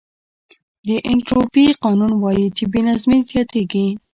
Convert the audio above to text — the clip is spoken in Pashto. د انټروپي قانون وایي چې بې نظمي زیاتېږي.